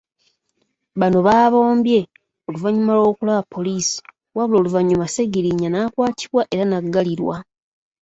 Bano baabombye oluvannyuma lw'okulaba poliisi wabula oluvannyuma Ssegirinya n'akwatibwa era n'aggalirwa.